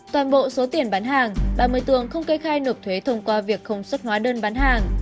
toàn bộ số tiền bán hàng ba mươi tường không kê khai nộp thuế thông qua việc không xuất hóa đơn bán hàng